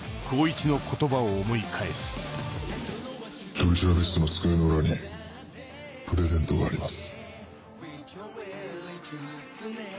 取調室の机の裏にプレゼントがあります